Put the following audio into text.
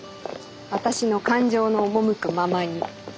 私の感情の赴くままに。